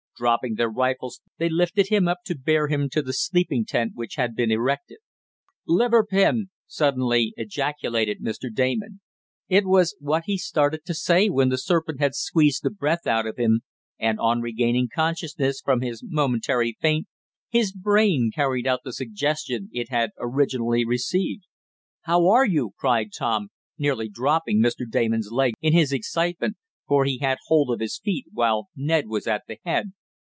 Dropping their rifles, they lifted him up to bear him to the sleeping tent which had been erected. "Liver pin!" suddenly ejaculated Mr. Damon. It was what he started to say when the serpent had squeezed the breath out of him, and, on regaining consciousness from his momentary faint, his brain carried out the suggestion it had originally received. "How are you?" cried Tom, nearly dropping Mr. Damon's legs in his excitement, for he had hold of his feet, while Ned was at the head.